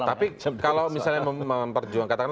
tapi kalau misalnya memperjuangkan